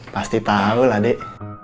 pasti tau lah dik